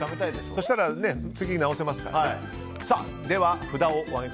そしたら次、直せますからね。